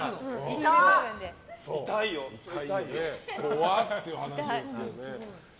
怖っていう話ですけどね。